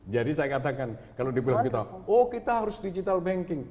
jadi saya katakan kalau diperhatikan oh kita harus digital banking